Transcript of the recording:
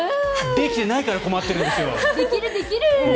できてないから困ってるんですよ！